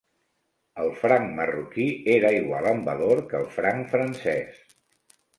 El franc marroquí era igual en valor que el franc francès.